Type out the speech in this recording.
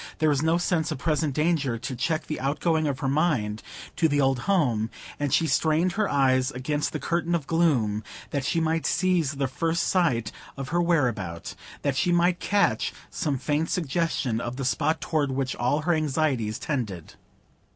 There was no sense of present danger to check the outgoing of her mind to the old home; and she strained her eyes against the curtain of gloom that she might seize the first sight of her whereabout,—that she might catch some faint suggestion of the spot toward which all her anxieties tended.